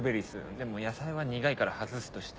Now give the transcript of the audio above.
でも野菜は苦いから外すとして。